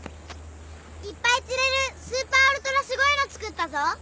いっぱい釣れるスーパーウルトラすごいの作ったぞ！